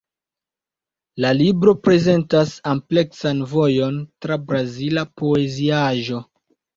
La libro prezentas ampleksan vojon tra brazila poeziaĵo.